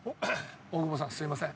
大久保さんすみません。